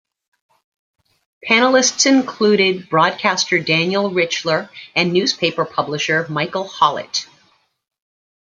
Panelists included broadcaster Daniel Richler and newspaper publisher Michael Hollett.